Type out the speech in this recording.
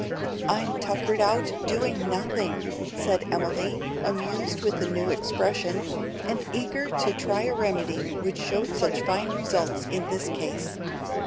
"I'm 'tuckered out' doing nothing," said Emily, amused with the new expression, and eager to try a remedy which showed such fine results in this case.